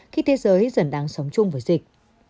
khi thế giới dần đang sống chung với dịch